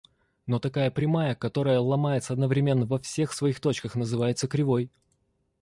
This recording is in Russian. Но такая прямая, которая ломается одновременно во всех своих точках, называется кривой.